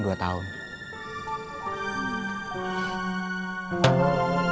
bukan ada yang jumpa